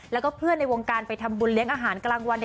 แล้วก็เพื่อนในวงการไปทำบุญเลี้ยงอาหารกลางวัน